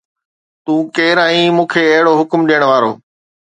تون ڪير آهين مون کي اهڙو حڪم ڏيڻ وارو؟